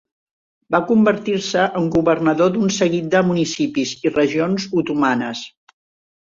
Va convertir-se en governador d'un seguit de municipis i regions otomanes.